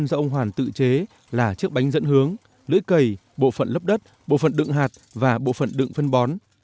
do ông hoàn tự chế là chiếc bánh dẫn hướng lưỡi cầy bộ phận lớp đất bộ phận đựng hạt và bộ phận đựng phân bón